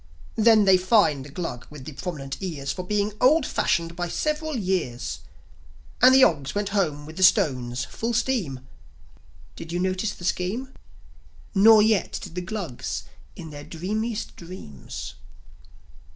Then they fined the Glug with the prominent ears For being old fashioned by several years; And the Ogs went home with the stones, full steam. Did you notice the scheme? Nor yet did the Glugs in their dreamiest dreams.